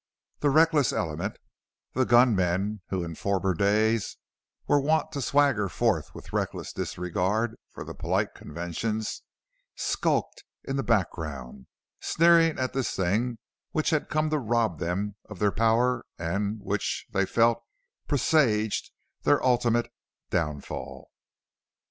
The reckless element the gun men who in a former day were wont to swagger forth with reckless disregard for the polite conventions skulked in the background, sneering at this thing which had come to rob them of their power and which, they felt, presaged their ultimate downfall.